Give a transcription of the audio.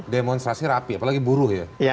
demonstrasi rapi apalagi buruh ya